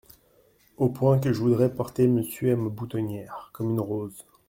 Au point que je voudrais porter Monsieur à ma boutonnière… comme une rose…